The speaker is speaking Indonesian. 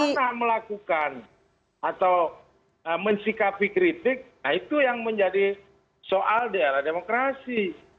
bagaimana melakukan atau mensikapi kritik nah itu yang menjadi soal daerah demokrasi